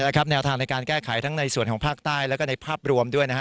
และครับแนวทางในการแก้ไขทั้งในส่วนภาคใต้แล้วก็ในภาพรวมด้วยนะฮะ